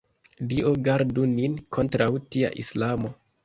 Dio gardu nin kontraŭ tia islamo!